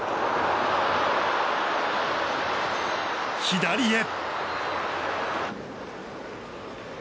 左へ。